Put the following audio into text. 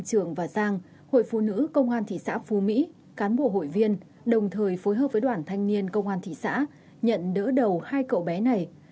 trường và giang lại một lần nữa thành trẻ mồ côi